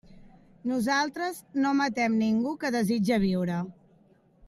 Nosaltres no matem ningú que desitja viure.